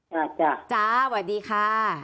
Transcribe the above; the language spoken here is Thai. จ้าจ้าสวัสดีค่ะ